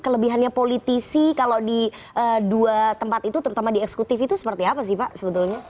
kelebihannya politisi kalau di dua tempat itu terutama di eksekutif itu seperti apa sih pak sebetulnya